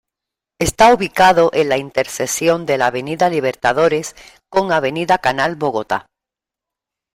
Está ubicado en la intersección de la Avenida Libertadores con Avenida Canal Bogotá.